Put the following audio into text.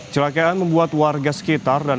cerakaan membuat warga sekitar dan